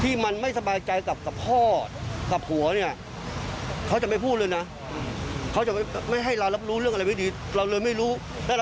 พี่น้องไม่ได้โดยฉันพูดเวลาแล้วพี่น้องพี่น้อง